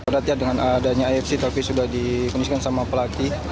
berat ya dengan adanya afc tapi sudah dikondisikan sama pelatih